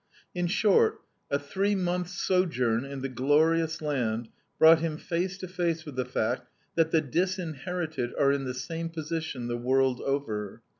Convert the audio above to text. In short, a three months' sojourn in the glorious land brought him face to face with the fact that the disinherited are in the same position the world over.